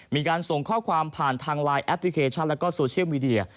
มีการส่งข้อความผ่านทางไลน์แอปพลิเคชันแล้วก็โซเชียลมีเดีย